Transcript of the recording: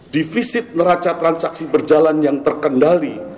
defisit neraca transaksi berjalan yang terkendali